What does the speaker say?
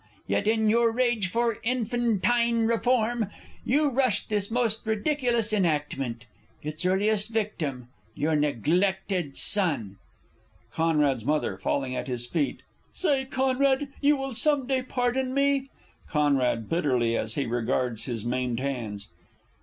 Yet, in your rage for infantine reform, You rushed this most ridiculous enactment Its earliest victim your neglected son! C.'s M. (falling at his feet). Say, CONRAD, you will some day pardon me? Con. (_bitterly, as he regards his maimed hands.